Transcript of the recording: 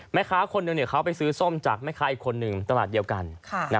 แม่ค้าคนหนึ่งเขาไปซื้อส้มจากแม่ค้าอีกคนหนึ่งตลาดเดียวกัน